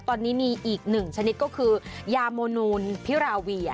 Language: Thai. ตอนนี้มีอีกหนึ่งชนิดก็คือยาโมนูนพิราเวีย